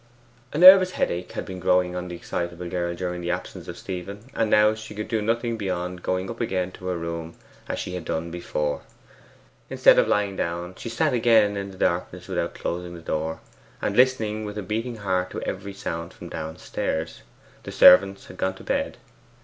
A nervous headache had been growing on the excitable girl during the absence of Stephen, and now she could do nothing beyond going up again to her room as she had done before. Instead of lying down she sat again in the darkness without closing the door, and listened with a beating heart to every sound from downstairs. The servants had gone to bed.